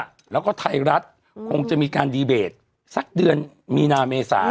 นายกกันแล้วล่ะแล้วก็ไทยรัฐอืมคงจะมีการสักเดือนมีนาเมษาเนี่ย